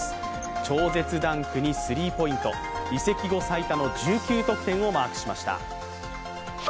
超絶ダンクにスリーポイント、移籍後最多の１９得点をマークしました。